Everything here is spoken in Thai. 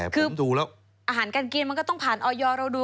ขึ้นอาหารกาลกินมันก็ต้องผ่านออยเราดู